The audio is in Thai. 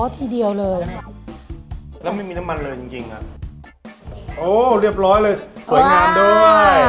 ทีเดียวเลยแล้วไม่มีน้ำมันเลยจริงจริงอ่ะโอ้เรียบร้อยเลยสวยงามด้วย